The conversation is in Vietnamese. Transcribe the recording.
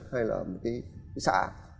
hay là một cái xã